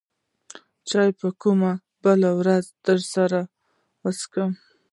چاى به کومه بله ورځ درسره وڅکم.